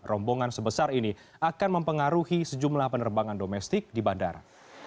rombongan sebesar ini akan mempengaruhi sejumlah penerbangan domestik di bandara